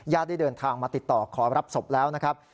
ได้เดินทางมาติดต่อขอรับศพแล้วนะครับ